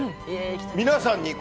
皆さんに。